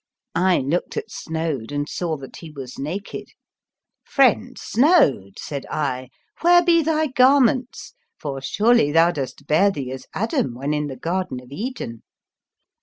I looked at Snoad and saw that he was naked. " Friend Snoad," said I, " where be thy garments? for surely thou dost bear thee as Adam when in the Garden of Eden."